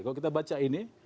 kalau kita baca ini